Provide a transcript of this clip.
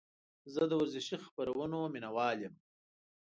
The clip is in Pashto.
زه د ورزشي خپرونو مینهوال یم.